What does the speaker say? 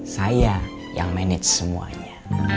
saya yang manage semuanya